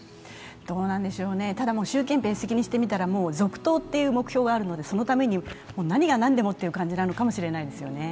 どうなんでしょう、習近平主席にしてみたら続投という目標があるので、そのために何が何でもという感じなのかもしれないですよね。